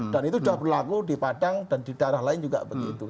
dan itu sudah berlaku di padang dan di daerah lain juga begitu